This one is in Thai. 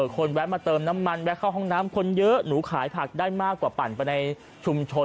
แวะมาเติมน้ำมันแวะเข้าห้องน้ำคนเยอะหนูขายผักได้มากกว่าปั่นไปในชุมชน